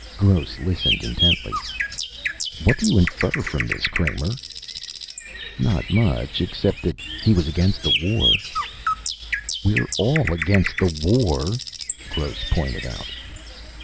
Gross listened intently. "What do you infer from this, Kramer?" "Not much. Except that he was against war." "We're all against war," Gross pointed out.